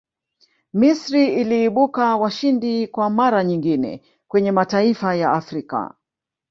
misri iliibuka washindi kwa mara nyingine kwenye mataifa ya afrika